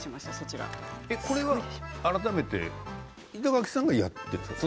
これは、改めて板垣さんがやっているんですか？